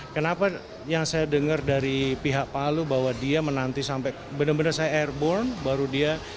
kenapa yang saya dengar dari pihak palu bahwa dia menanti sampai benar benar saya airborne baru dia